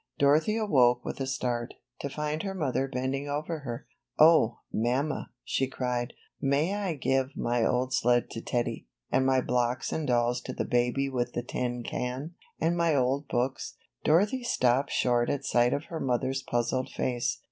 Dorothy awoke with a start, to find her mother bending over her. ^Dh, mamma," she cried, ^^may I give my old sled to Teddy, and my blocks and dolls to the baby with the tin can, and my old books?" Dorothy stopped short at sight of her mother's puzzled face.